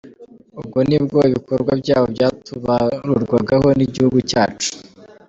Ubwo nibwo ibikorwa byabo byatubarurwaho n’igihugu cyacu.